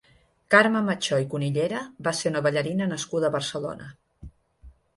Carme Mechó i Cunillera va ser una ballarina nascuda a Barcelona.